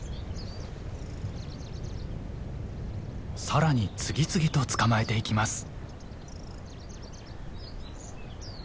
更に次々と捕まえていきます。